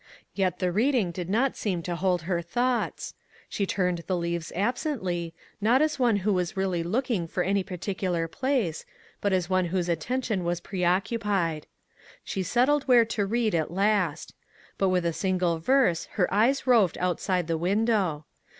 Yet the read ing did not seem to hold her thoughts ; she turned the leaves absently, not as one who was really looking for any particular place, but as one whose attention, was pre occupied. She settled where to read, at last; but with a single verse, her eyes roved outside the window.